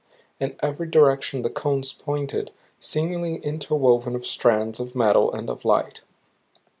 In every direction the cones pointed, seemingly interwoven of strands of metal and of light.